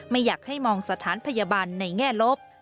ไม่อยากให้มองสถานพยาบาลในแง่ลบ